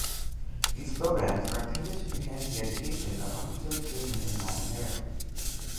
These programs are intended to enhance the education of underserved children in Latin America.